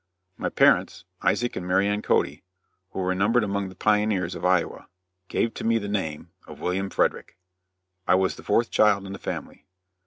My parents, Isaac and Mary Ann Cody, who were numbered among the pioneers of Iowa, gave to me the name of William Frederick. I was the fourth child in the family.